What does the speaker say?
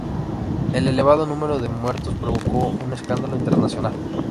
El elevado número de muertos provocó un escándalo internacional.